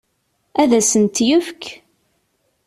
Ad asen-t-yefk?